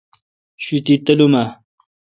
شوتی تلوم اؘ۔